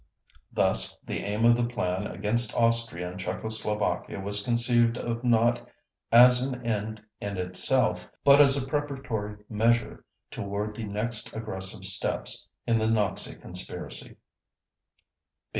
Thus, the aim of the plan against Austria and Czechoslovakia was conceived of not as an end in itself but as a preparatory measure toward the next aggressive steps in the Nazi conspiracy.